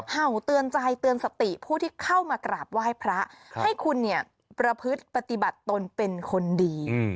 เห่าเตือนใจเตือนสติผู้ที่เข้ามากราบไหว้พระให้คุณเนี่ยประพฤติปฏิบัติตนเป็นคนดี